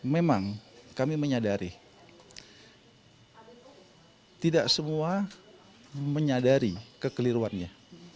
memang kami menyadari tidak semua menyadari kekeliruannya